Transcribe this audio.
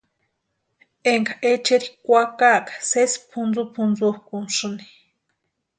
Énka echeri kwakaa sési pʼuntsupʼuntsukʼuntisïni.